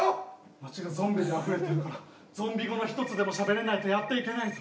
町がゾンビであふれてるからゾンビ語の１つでもしゃべれないとやっていけないぞ